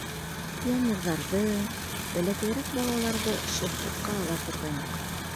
Пионерҙарҙы, бәләкәйерәк балаларҙы шефлыҡҡа ала торғайныҡ.